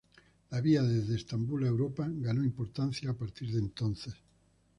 La vía desde Estambul a Europa ganó importancia a partir de entonces.